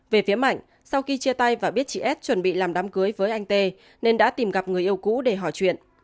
về phía mạnh sau khi chia tay và biết chị s chuẩn bị làm đám cưới với anh tê nên đã tìm gặp người yêu cũ để hỏi chuyện